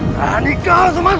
nah ini kau suman